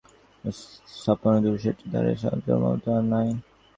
এখন বোঝা যাচ্ছে আগেরটাকে ছাপানো তো দূর, সেটার ধারে যাওয়ার সামর্থ্যও নাই নতুনটার।